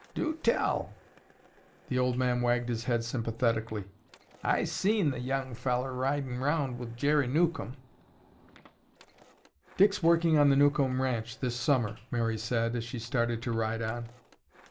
"Dew tell!" the old man wagged his head sympathetically. "I seen the young fellar ridin' around wi' Jerry Newcomb." "Dick's working on the Newcomb ranch this summer," Mary said, as she started to ride on.